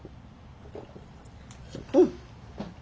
うん。